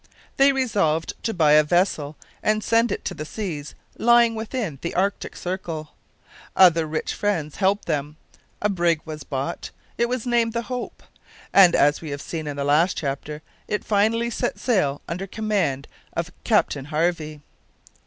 They resolved to buy a vessel and send it to the seas lying within the Arctic circle. Other rich friends helped them; a brig was bought, it was named the Hope, and, as we have seen in the last chapter, it finally set sail under command of Captain Harvey.